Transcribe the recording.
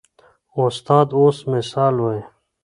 استاد اوس مثال وایي.